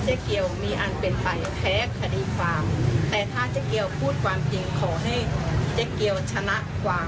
อ่างไอกรรมสาวลาเจ๊เกียวจะสะดวกที่จะถัก